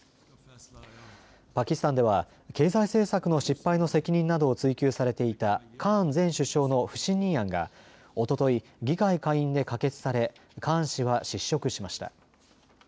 パキスタンでは経済政策の失敗の責任などを追及されていたカーン前首相の不信任案がおととい、議会下院で可決されカーン氏は失職しました。